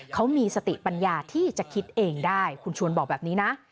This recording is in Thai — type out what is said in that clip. เขามีสติปัญญาที่จะคิดเองได้คุณชวนบอกแบบนี้นะ